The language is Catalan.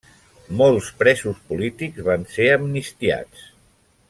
Molts presos polítics van ser amnistiats.